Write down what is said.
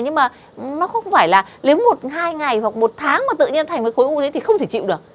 nhưng mà nó không phải là nếu một hai ngày hoặc một tháng mà tự nhiên thành với khối u đấy thì không thể chịu được